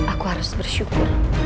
aku harus bersyukur